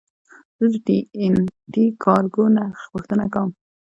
زه د ټي این ټي کارګو نرخ پوښتنه کوم.